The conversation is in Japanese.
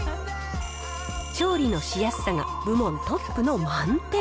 調理のしやすさが部門トップの満点。